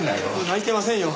泣いてませんよ。